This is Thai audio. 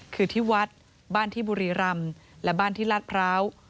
คือที่วัดบ้านที่บุรีรำและบ้านที่ลาดพร้าว